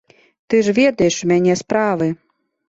Ты ж ведаеш, у мяне справы.